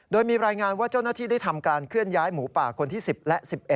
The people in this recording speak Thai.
โดยมีรายงานว่าเจ้าหน้าที่ได้ทำการเคลื่อนย้ายหมูป่าคนที่๑๐และ๑๑